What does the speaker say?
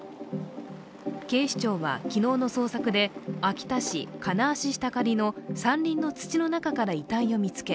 警視庁は昨日の捜索で、秋田市金足下刈の山林の土の中から遺体を見つけ